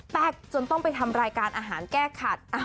จนต้องไปทำรายการอาหารแก้ขัด